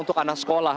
untuk anak sekolah